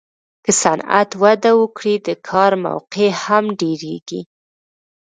که صنعت وده وکړي، د کار موقعې هم ډېرېږي.